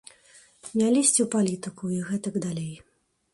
Не лезці ў палітыку і гэтак далей.